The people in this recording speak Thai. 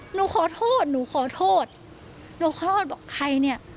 หนูขอโทษหนูขอโทษหนูคลอดบอกใครเนี่ย